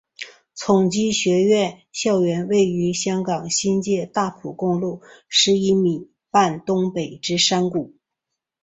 崇基学院校园位于香港新界大埔公路十一咪半东北之山谷。